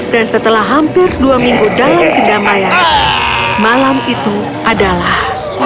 dan setelah hampir dua minggu dalam kedamaian malam itu adalah